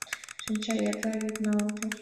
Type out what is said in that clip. Шинча йырда вӱд налалеш.